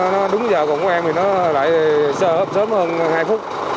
nó đúng giờ còn của em thì nó lại sơ hấp sớm hơn hai phút